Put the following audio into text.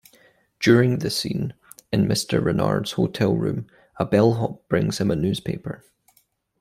During the scene in Mr. Renard's hotel room, a bellhop brings him a newspaper.